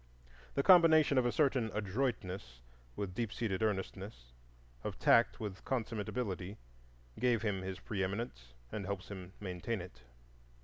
The combination of a certain adroitness with deep seated earnestness, of tact with consummate ability, gave him his preeminence, and helps him maintain it.